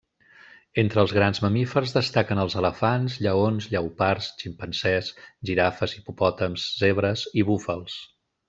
Entre els grans mamífers destaquen els elefants, lleons, lleopards, ximpanzés, girafes, hipopòtams, zebres i búfals.